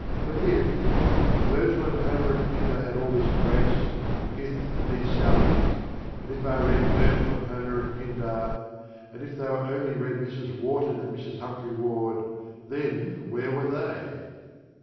For if: Virgil and Homer and Pindar had all this grace, and pith and these sallies, And if I read Virgil and Homer and Pindar, And if they only read Mrs. Wharton and Mrs. Humphrey Ward Then where were they?